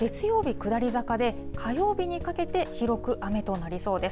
下り坂で、火曜日にかけて広く雨となりそうです。